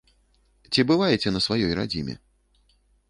Ці бываеце на сваёй радзіме?